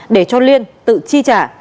để cho liên tự chi trả